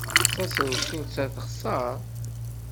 Taseḍsut-a texṣer.